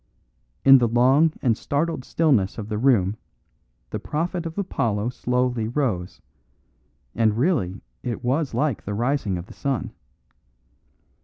In the long and startled stillness of the room the prophet of Apollo slowly rose; and really it was like the rising of the sun.